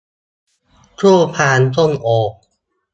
คู่พานส้มโอ